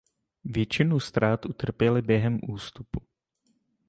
Většinu ztrát utrpěli během ústupu.